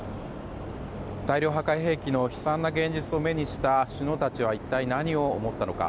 大量破壊兵器の悲惨な現実を目にした首脳たちは一体何を思ったのか。